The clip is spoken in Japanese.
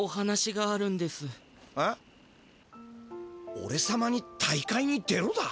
おれ様に大会に出ろだ？